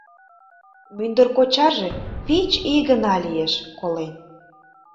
Мӱндыр кочаже, вич ий гына лиеш, — колен.